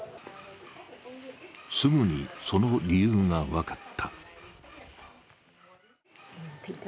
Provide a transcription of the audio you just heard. すぐに、その理由が分かった。